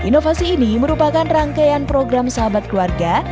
inovasi ini merupakan rangkaian program sahabat keluarga